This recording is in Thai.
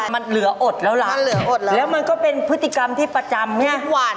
มันเหลืออดแล้วละแล้วมันก็เป็นพฤติกรรมที่ประจำเนี่ยใช่ไหม